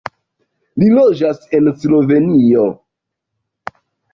Li loĝas en Slovenio.